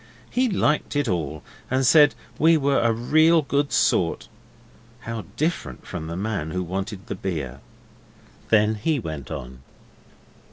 He liked it all, and said we were a real good sort. How different from the man who wanted the beer. Then he went on.